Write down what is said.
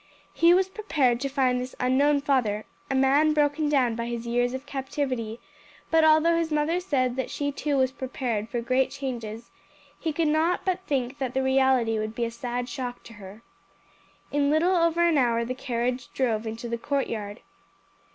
He was prepared to find this unknown father a man broken down by his years of captivity; but although his mother said that she too was prepared for great changes, he could not but think that the reality would be a sad shock to her. In little over an hour the carriage drove into the courtyard.